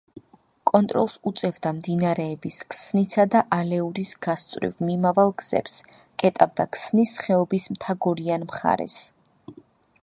კონტროლს უწევდა მდინარეების ქსნისა და ალეურის გასწვრივ მიმავალ გზებს; კეტავდა ქსნის ხეობის მთაგორიან მხარეს.